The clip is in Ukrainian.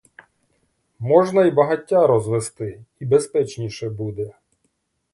Можна й багаття розвести і безпечніше буде.